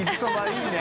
いいね。